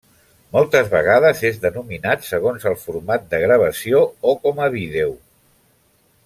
Moltes vegades és denominat segons el format de gravació o com a vídeo.